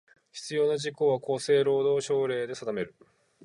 必要な事項は、厚生労働省令で定める。